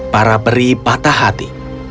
para peri patah hati